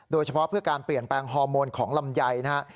โดยเฉพาะเพื่อการเปลี่ยนแปลงฮอร์โมนของลำไยนะครับ